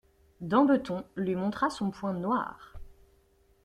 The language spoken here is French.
Dambeton, lui montra son poing noir.